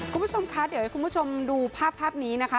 คุณผู้ชมคะเดี๋ยวให้คุณผู้ชมดูภาพภาพนี้นะคะ